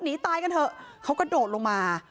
หนีตายกันเถอะเขากระโดดลงมา